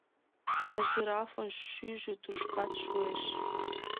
А жирафын шӱйжӧ тушкат шуэш.